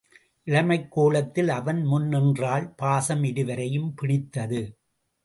இளமைக் கோலத்தில் அவன் முன் நின்றாள் பாசம் இருவரையும் பிணித்தது.